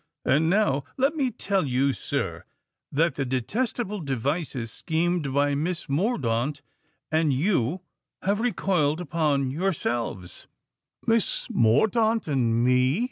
"And now let me tell you, sir, that the detestable devices schemed by Miss Mordaunt and you have recoiled upon yourselves——" "Miss Mordaunt and me!"